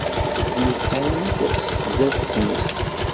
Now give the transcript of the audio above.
Sgunfant sdat tmes.